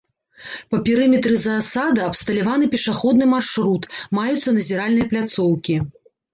Па перыметры заасада абсталяваны пешаходны маршрут, маюцца назіральныя пляцоўкі.